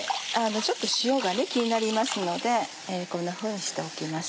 ちょっと塩が気になりますのでこんなふうにしておきます。